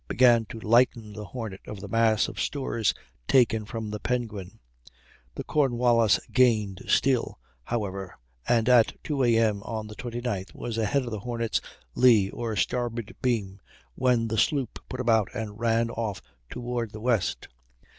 began to lighten the Hornet of the mass of stores taken from the Penguin. The Cornwallis gained still, however, and at 2 A.M. on the 29th was ahead of the Hornet's lee or starboard beam, when the sloop put about and ran off toward the west.